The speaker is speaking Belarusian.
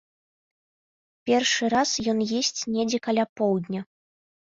Першы раз ён есць недзе каля поўдня.